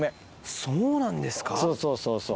そうそうそうそう。